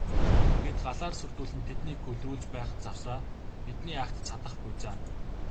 Бид галаар сүрдүүлэн тэднийг гөлрүүлж байх завсраа бидний агт цадах буй за.